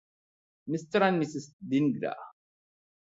mister and missus Dhingra